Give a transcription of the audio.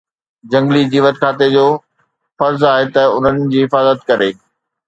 جهنگلي جيوت کاتي جو فرض آهي ته انهن جي حفاظت ڪري